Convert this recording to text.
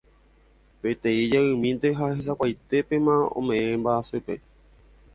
Peteĩ jeymínte ha hesakuaitépema ome'ẽ mba'asýpe.